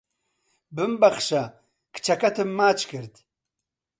ببمبەخشە کچەکەتم ماچ کرد